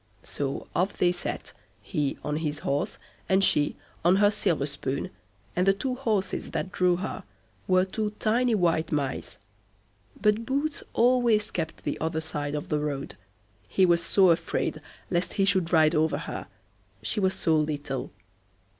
So off they set, he on his horse and she on her silver spoon, and the two horses that drew her were two tiny white mice; but Boots always kept the other side of the road, he was so afraid lest he should ride over her, she was so little.